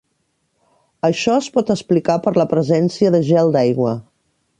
Això es pot explicar per la presència de gel d'aigua.